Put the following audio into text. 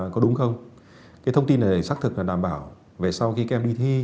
có đúng không cái thông tin này xác thực và đảm bảo về sau khi các em đi thi